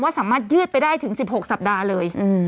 สามารถยืดไปได้ถึง๑๖สัปดาห์เลย